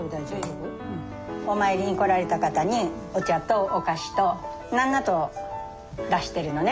お参りに来られた方にお茶とお菓子と何なと出してるのね